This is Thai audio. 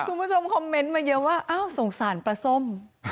คุณผู้ชมคอมเมนต์มาเยอะว่าอ้าวสงสารปลาส้ม